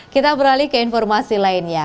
kita beralih ke informasi lainnya